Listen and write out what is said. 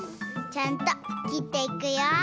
ちゃんときっていくよ。